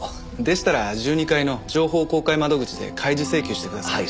でしたら１２階の情報公開窓口で開示請求してください。